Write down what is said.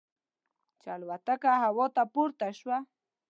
چې الوتکه هوا ته پورته شوه.